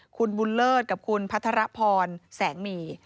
คุณบุญเลิศคุณภัทรพรเสง่หมี่